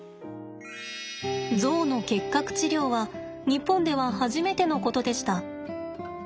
ゾウの結核治療は日本では初めてのことでした。